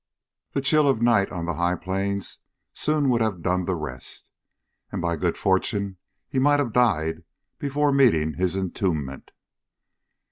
The chill of night on the high Plains soon would have done the rest, and by good fortune he might have died before meeting his entombment.